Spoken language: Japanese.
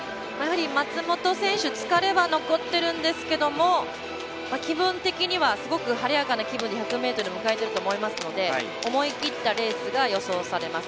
松元選手疲れは残ってるんですけども気分的にはすごく晴れやかな気持ちで迎えていると思いますので思い切ったレースが予想されます。